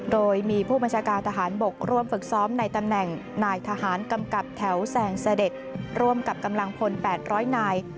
โดยมีผู้บัญชาการทหารบกร่วมฝึกซ้อมในตำแหน่งนายทหารกำกับแถวแสงเสด็จร่วมกับกำลังพล๘๐๐นาย